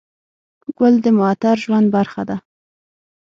ګل د معطر ژوند برخه ده.